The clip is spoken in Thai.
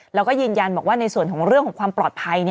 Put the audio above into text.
แล้วก็ยืนยันบอกว่าในส่วนของเรื่องของความปลอดภัย